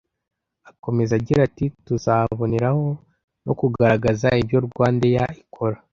Akomeza agira ati “Tuzaboneraho no kugaragaza ibyo RwandAir ikora